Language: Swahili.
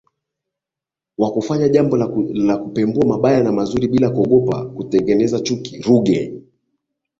wa kufanya jambo la kupembua mabaya na mazuri bila kuogopa kutengeneza Chuki Ruge